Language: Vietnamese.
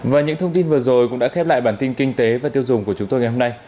và những thông tin vừa rồi cũng đã khép lại bản tin kinh tế và tiêu dùng của chúng tôi ngày hôm nay